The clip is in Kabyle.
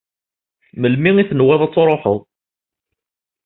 Melmi i tenwiḍ ad tṛuḥeḍ?